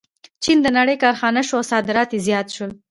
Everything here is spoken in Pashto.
چین د نړۍ کارخانه شوه او صادرات یې زیات شول.